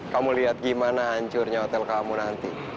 kamu lihat gimana hancurnya hotel kamu nanti